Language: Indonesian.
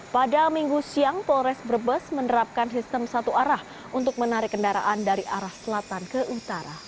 pada minggu siang polres brebes menerapkan sistem satu arah untuk menarik kendaraan dari arah selatan ke utara